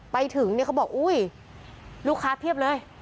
ไปถึงเนี่ยเขาบอกอุ้ยลูกค้าเพียบเลย